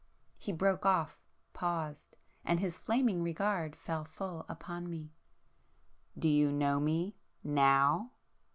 ... He broke off,—paused,—and his flaming regard fell full upon me. "Do you know Me, ... now?"